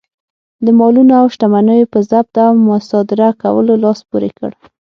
د مالونو او شتمنیو په ضبط او مصادره کولو لاس پورې کړ.